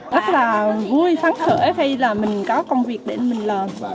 rất là vui sáng sở hay là mình có công việc để mình làm